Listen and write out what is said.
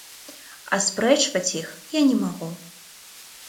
Аспрэчваць іх я не магу.